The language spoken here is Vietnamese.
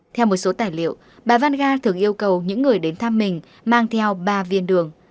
theo một số tài liệu bà van ga thường yêu cầu những người đến thăm mình mang theo ba viên đường